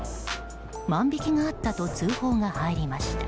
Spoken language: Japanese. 万引きがあったと通報が入りました。